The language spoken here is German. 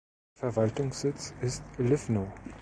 Verwaltungssitz ist Livno.